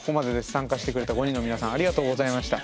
参加してくれた５人の皆さんありがとうございました。